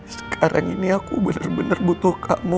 sekarang ini aku bener bener butuh kamu